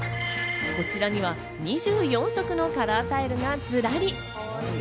こちらには２４色のカラータイルがずらり。